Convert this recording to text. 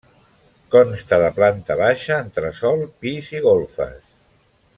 Consta de planta baixa, entresòl, pis i golfes.